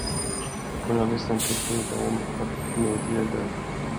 Journalisten tyckte inte om att medge det.